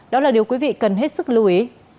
đó là điều quý vị cần hết sức lưu ý